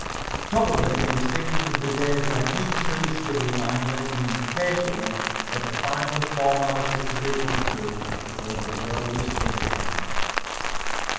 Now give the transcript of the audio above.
Probably he was thinking of the days when he, too, stood in line waiting impatiently for the final formalities to be run through before the world was his again.